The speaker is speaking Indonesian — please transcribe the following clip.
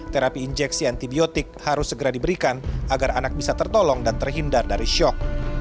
terapi injeksi antibiotik harus segera diberikan agar anak bisa tertolong dan terhindar dari shock